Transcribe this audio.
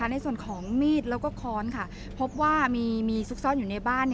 ในส่วนของมีดแล้วก็ค้อนพบว่ามีซุกซ่อนอยู่ในบ้าน